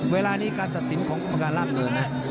เวลานี้การตัดสินของกรรมการล่ามโดนนะ